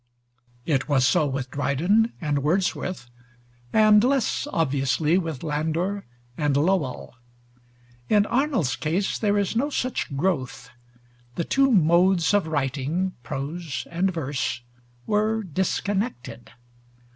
It was so with Dryden and Wordsworth, and, less obviously, with Landor and Lowell. In Arnold's case there is no such growth: the two modes of writing, prose and verse, were disconnected.